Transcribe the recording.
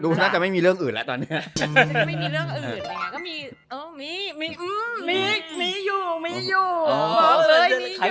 น่าจะไม่มีเรื่องอื่นแล้วตอนนี้